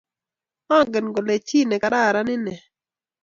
Angen kole chi negararan inne?